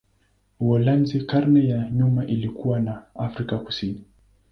Uholanzi karne za nyuma ilikuwa na Afrika Kusini.